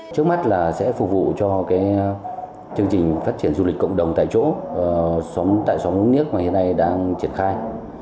trước mắt là sẽ phục vụ cho chương trình phát triển du lịch cộng đồng tại chỗ tại xóm nước mà hiện nay đang triển khai